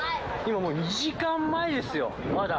２時間前ですよ、まだ。